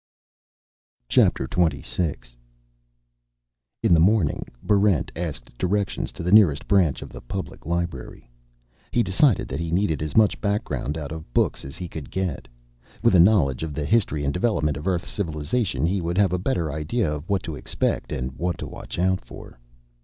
Chapter Twenty Six In the morning, Barrent asked directions to the nearest branch of the public library. He decided that he needed as much background out of books as he could get. With a knowledge of the history and development of Earth's civilization, he would have a better idea of what to expect and what to watch out for.